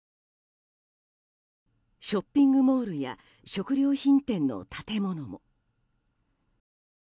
ショッピングモールや食料品店の建物も。